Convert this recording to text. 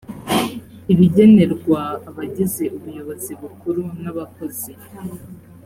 ibigenerwa abagize ubuyobozi bukuru n abakozi